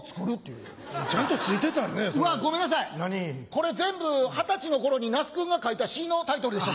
これ全部二十歳の頃に那須君が書いた詩のタイトルでした。